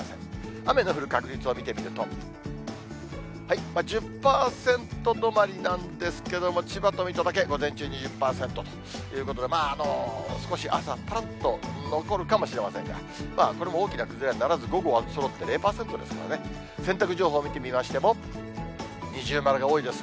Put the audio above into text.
雨の降る確率を見てみると、１０％止まりなんですけれども、千葉と水戸だけ午前中２０％ということで、少し朝、ぱらっと残るかもしれませんが、これも大きな崩れにはならず、午後はそろって０％ですからね、洗濯情報見てみましても、二重丸が多いですね。